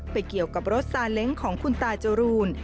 เกี่ยวกับรถซาเล้งของคุณตาจรูน